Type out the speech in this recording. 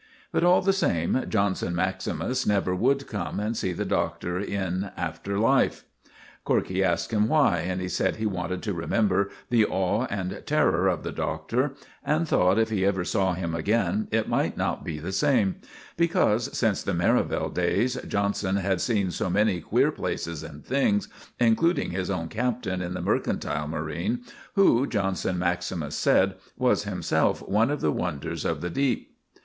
But all the same, Johnson maximus never would come and see the Doctor in after life. Corkey asked him why, and he said he wanted to remember the awe and terror of the Doctor, and thought, if he ever saw him again it might not be the same; because, since the Merivale days, Johnson had seen so many queer places and things, including his own captain in the mercantile marine, who, Johnson maximus said, was himself one of the wonders of the deep.